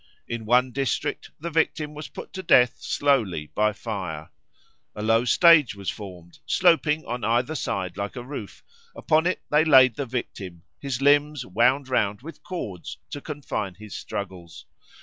In one district the victim was put to death slowly by fire. A low stage was formed, sloping on either side like a roof; upon it they laid the victim, his limbs wound round with cords to confine his struggles.